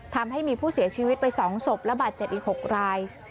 ทำให้มีผู้เสียชีวิตไป๒ศพและบาดเจ็บอีก๖ราย